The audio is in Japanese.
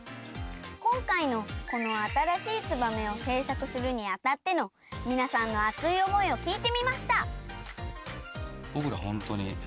こんかいのこのあたらしい「ツバメ」をせいさくするにあたってのみなさんの熱い思いをきいてみました。